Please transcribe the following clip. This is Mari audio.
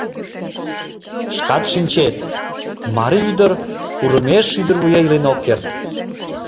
Шкат шинчет — марий ӱдыр курымеш ӱдырвуя илен ок керт.